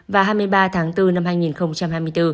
và hai mươi ba tháng bốn năm hai nghìn hai mươi bốn